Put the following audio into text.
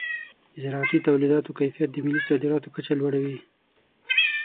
د زراعتي تولیداتو کیفیت د ملي صادراتو کچه لوړوي.